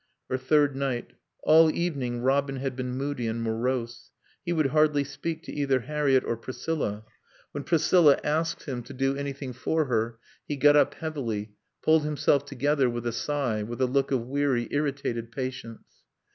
Her third night. All evening Robin had been moody and morose. He would hardly speak to either Harriett or Priscilla. When Priscilla asked him to do anything for her he got up heavily, pulling himself together with a sigh, with a look of weary, irritated patience.